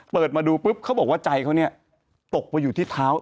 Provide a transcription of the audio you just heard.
เปิดมาดูปุ๊บเขาบอกว่าใจเขาเนี่ยตกไปอยู่ที่เท้า